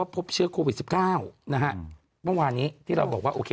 พบเชื้อโควิด๑๙นะฮะเมื่อวานนี้ที่เราบอกว่าโอเค